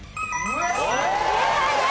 正解です。